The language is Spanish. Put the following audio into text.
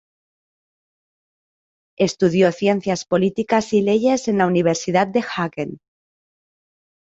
Estudió ciencias políticas y Leyes en la Universidad de Hagen.